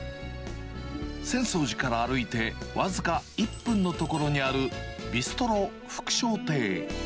浅草寺から歩いて僅か１分の所にある、ビストロ福昇亭。